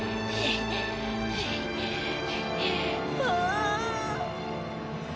ああ。